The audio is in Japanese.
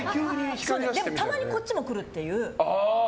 たまにこっちも来るっていう。